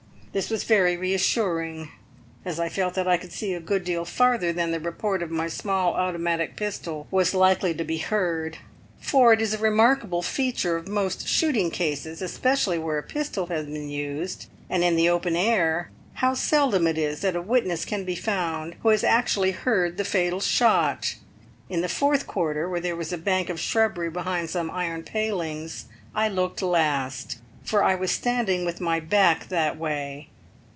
This was very reassuring, as I felt that I could see a good deal farther than the report of my small automatic pistol was likely to be heard; for it is a remarkable feature of most shooting cases, especially where a pistol has been used, and in the open air, how seldom it is that a witness can be found who has actually heard the fatal shot. In the fourth quarter, where there was a bank of shrubbery behind some iron palings, I looked last, for I was standing with my back that way.